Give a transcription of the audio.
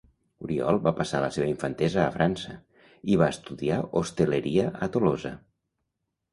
Oriol va passar la seva infantesa a França i va estudiar hostaleria a Tolosa.